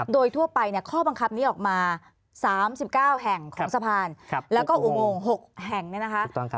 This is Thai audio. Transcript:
โดยทั่วไปข้อบังคับนี้ออกมา๓๙แห่งของสะพานแล้วก็อุโมง๖แห่งเนี่ยนะคะ